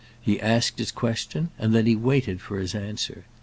He asked his question, and then he waited for his answer.